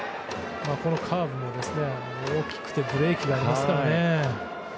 カーブも大きくてブレーキがありますからね。